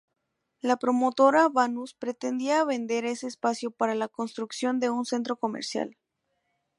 La promotora Banús pretendía vender ese espacio para la construcción de un centro comercial.